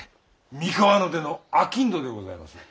三河の出のあきんどでございまする。